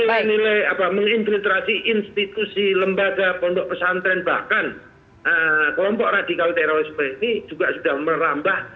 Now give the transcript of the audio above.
nilai nilai apa menginfiltrasi institusi lembaga kondok pesantren bahkan kelompok radikal teroris seperti ini juga sudah merambah